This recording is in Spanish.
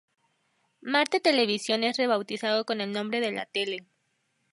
Marte Televisión es rebautizado con el nombre de "La Tele".